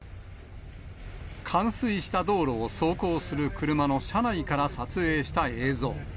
冠水した道路を走行する車の車内から撮影した映像。